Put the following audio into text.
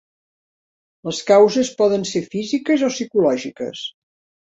Les causes poden ser físiques o psicològiques.